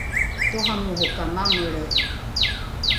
toramoro ka mamelre’e